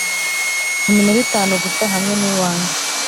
mu minota itanu gusa hamwe nuwanjye.